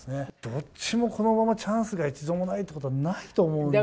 どっちもこのまま、チャンスが一度もないということはないと思うんでね。